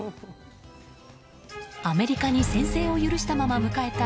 アメリカに先制を許したまま迎えた